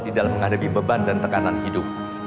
di dalam menghadapi beban dan tekanan hidup